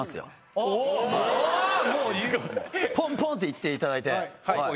ポンポン！って行っていただいて。